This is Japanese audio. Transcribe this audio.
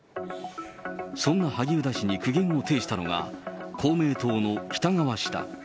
そんな萩生田氏に苦言を呈したのが公明党の北側氏だ。